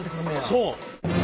そう。